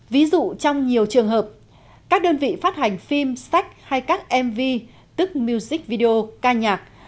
ví dụ trong nhiều trường hợp các đơn vị phát hành phim sách hay các mv tức music video ca nhạc